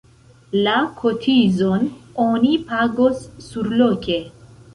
La kotizon oni pagos surloke.